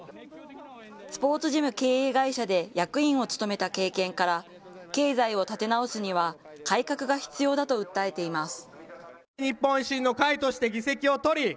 スポーツジム経営会社で役員を務めた経験から、経済を立て直すには改革が必要だと訴えています。